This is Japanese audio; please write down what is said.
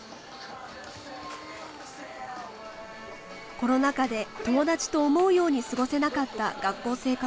コロナ禍で友達と思うように過ごせなかった学校生活。